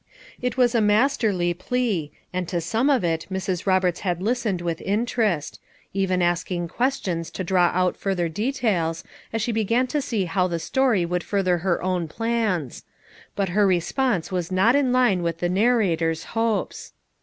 It was a masterly plea, and to some of it Mrs. Roberts had listened with interest; even asking questions to draw out further details, as she be gan to see how the story would further her own plans; but her response was not in line with the narrator's hopes.